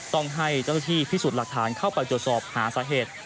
ต้องให้เจ้าหน้าที่พิสูจน์หลักฐานเข้าไปตรวจสอบหาสาเหตุ